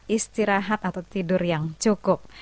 istirahat atau tidur yang cukup